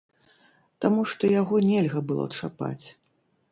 Таму што яго нельга было чапаць.